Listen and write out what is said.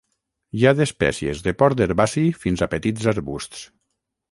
Hi ha d'espècies de port herbaci fins a petits arbusts.